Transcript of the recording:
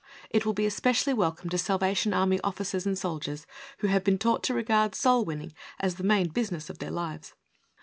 It v^ill be especially welcome to Salvation Army officers and soldiers, who have been taught to regard soul winning as the main business of their lives.